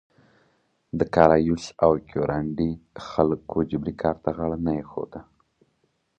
د کارایوس او کیورانډي خلکو جبري کار ته غاړه کې نه ایښوده.